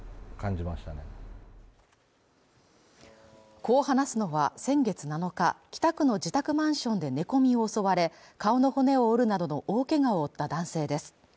こう話すのは先月７日北区の自宅マンションで寝込みを襲われ顔の骨を折るなどの大けがを負った男性です